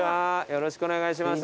よろしくお願いします。